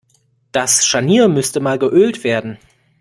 Das Scharnier müsste mal geölt werden.